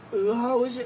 おいしい。